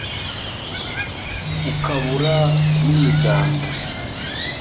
ukabura n’imiganda